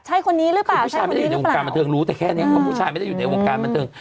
ใช่คนนี้หรือเปล่าผู้ชายไม่ได้อยู่ในวงการบันเทิงรู้แต่แค่เนี้ยเพราะผู้ชายไม่ได้อยู่ในวงการบันเทิง